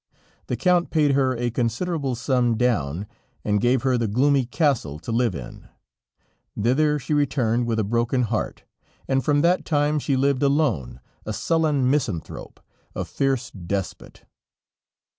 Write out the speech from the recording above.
The Count paid her a considerable sum down, and gave her the gloomy castle to live in. Thither she returned with a broken heart, and from that time she lived alone, a sullen misanthrope, a fierce despot.